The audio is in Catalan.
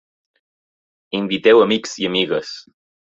Inviteu amics i amigues!